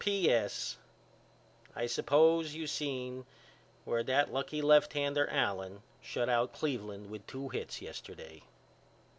P.S. I suppose you seen where that lucky lefthander Allen shut out Cleveland with two hits yesterday.